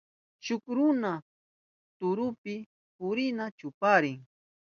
Shuk runa turupi purishpan chuparin.